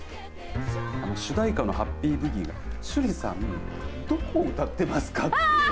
主題歌のハッピー☆ブギ趣里さん、どこを歌ってますか。